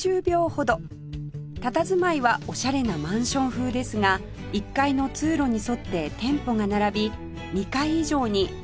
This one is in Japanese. たたずまいはオシャレなマンション風ですが１階の通路に沿って店舗が並び２階以上にオフィスと住居が入る